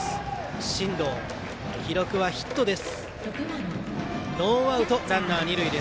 進藤、記録はヒットです。